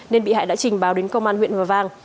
nên bị hại đã trình báo đến công an huyện hòa vang